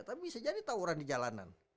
tapi bisa jadi tawuran di jalanan